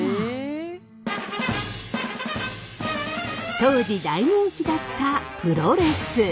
当時大人気だったプロレス。